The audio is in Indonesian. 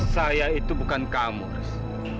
saya itu bukan kamu riz